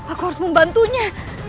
aku harus membantunya